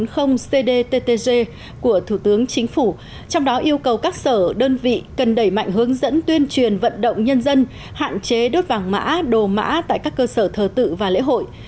công điện số hai trăm bốn mươi cd ba của thủ tướng chính phủ trong đó yêu cầu các sở đơn vị cần đẩy mạnh hướng dẫn tuyên truyền vận động nhân dân hạn chế đốt vàng mã đồ mã tại các cơ sở thờ tự và lễ hội